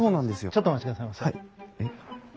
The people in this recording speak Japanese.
ちょっとお待ちくださいませ。